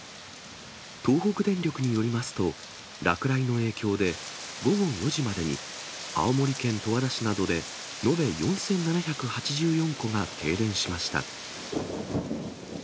東北電力によりますと、落雷の影響で午後４時までに、青森県十和田市などで、延べ４７８４戸が停電しました。